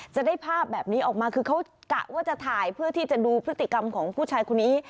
จะได้ภาพแบบนี้ออกมาคือเขากะว่าจะถ่ายเพื่อที่จะดูพฤติกรรมของผู้ชายคนนี้